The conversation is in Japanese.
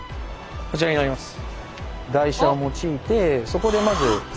こちらになります。